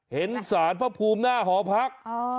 เห็นสารพระภูมิหน้าหอพัก